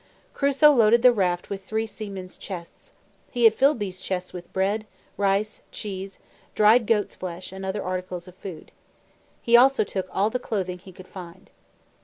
Crusoe loaded the raft with three seamen's chests. He had filled these chests with bread, rice, cheese, dried goat's flesh, and other articles of food. He also took all the clothing he could find.